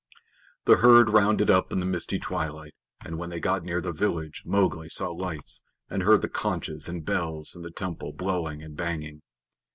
The herd rounded up in the misty twilight, and when they got near the village Mowgli saw lights, and heard the conches and bells in the temple blowing and banging.